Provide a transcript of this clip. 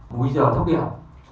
múi giờ thấp biển